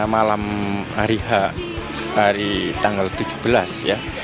malam hari h hari tanggal tujuh belas ya